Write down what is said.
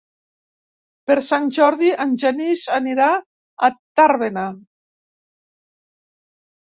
Per Sant Jordi en Genís anirà a Tàrbena.